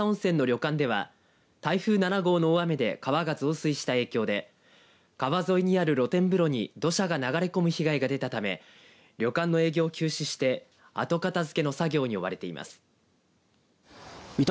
三朝町の三朝温泉の旅館では台風７号の大雨で川が増水した影響で川沿いにある露天風呂に土砂が流れ込む被害が出たため旅館の営業を休止して後片づけの作業に追われています。